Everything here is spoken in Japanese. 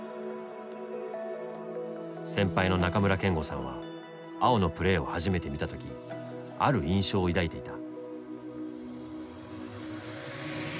先輩の中村憲剛さんは碧のプレーを初めて見た時ある印象を抱いていた。